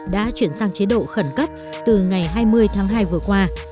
đã chuyển sang chế độ khẩn cấp từ ngày hai mươi tháng hai vừa qua